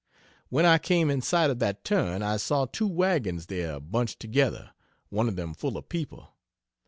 When I came in sight of that turn I saw two wagons there bunched together one of them full of people.